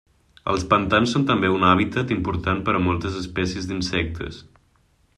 Els pantans són també un hàbitat important per a moltes espècies d'insectes.